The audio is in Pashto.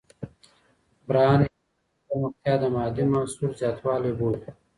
بران اقتصادي پرمختیا د مادي محصول زیاتوالی بولي.